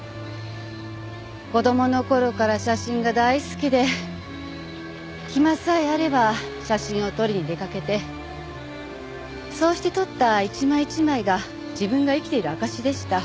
子供の頃から写真が大好きで暇さえあれば写真を撮りに出かけてそうして撮った一枚一枚が自分が生きている証しでした。